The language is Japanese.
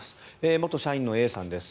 元社員のＡさんです。